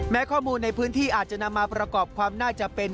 ข้อมูลในพื้นที่อาจจะนำมาประกอบความน่าจะเป็น